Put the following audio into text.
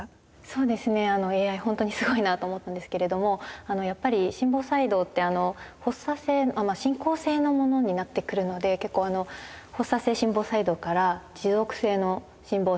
そうですねＡＩほんとにすごいなと思ったんですけれどもやっぱり心房細動って発作性進行性のものになってくるので結構発作性心房細動から持続性の心房